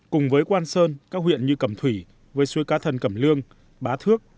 cùng với quang sơn các huyện như cẩm thủy với suối cá thân cẩm lương bá thước